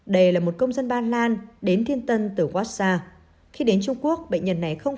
đây là một công dân ba lan đến thiên tân từ wasa khi đến trung quốc bệnh nhân này không